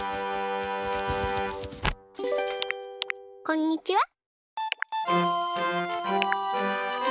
こんにちは。